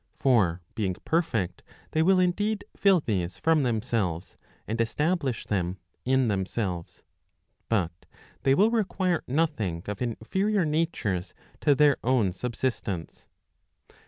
For being perfect, they will indeed fill these from themselves, and establish them in themselves. But they will require nothing of inferior natures to their own subsistence.